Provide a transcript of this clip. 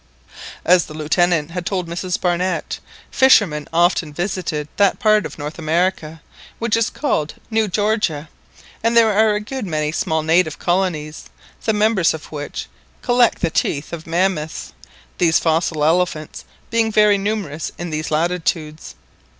As the Lieutenant had told Mrs Barnett, fishermen often visited that part of North America, which is called New Georgia, and there are a good many small native colonies, the members of which collect the teeth of mammoths, these fossil elephants being very numerous in these latitudes.